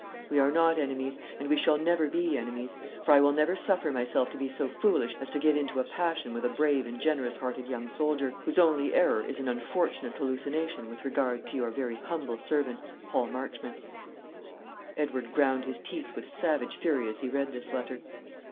We are not enemies, and we never shall be enemies; for I will never suffer myself to be so foolish as to get into a passion with a brave and generous hearted young soldier, whose only error is an unfortunate hallucination with regard to "Your very humble servant, "PAUL MARCHMONT." Edward ground his teeth with savage fury as he read this letter.